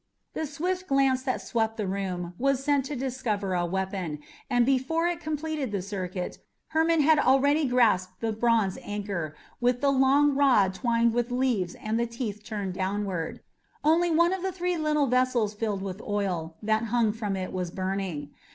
The swift glance that swept the room was sent to discover a weapon, and before it completed the circuit Hermon had already grasped the bronze anchor with the long rod twined with leaves and the teeth turned downward. Only one of the three little vessels filled with oil that hung from it was burning.